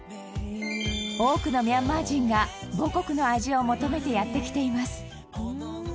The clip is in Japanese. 多くのミャンマー人が母国の味を求めてやって来ています